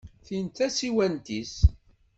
Tin d tasiwant-is?